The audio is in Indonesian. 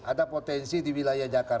ada potensi di wilayah jakarta